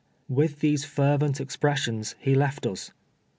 "With these fervent expressions, he left us.